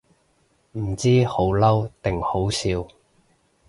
唔知好嬲定好笑